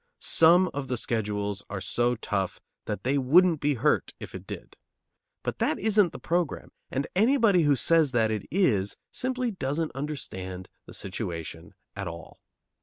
Some of the schedules are so tough that they wouldn't be hurt, if it did. But that isn't the program, and anybody who says that it is simply doesn't understand the situation at all.